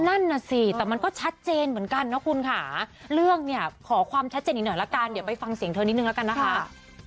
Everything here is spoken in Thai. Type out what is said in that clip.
นั่นน่ะสิแต่มันก็ชัดเจนเหมือนกันนะคุณค่ะเรื่องเนี่ยขอความชัดเจนอีกหน่อยละกันเดี๋ยวไปฟังเสียงเธอนิดนึงแล้วกันนะคะ